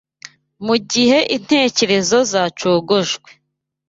mu gihe intekerezo zacogojwe